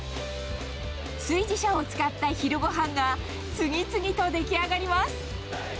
炊事車を使った昼ごはんが次々と出来上がります。